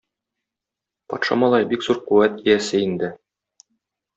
Патша малае бик зур куәт иясе инде.